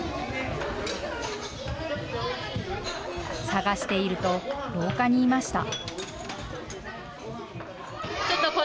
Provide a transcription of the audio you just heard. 探していると廊下にいました。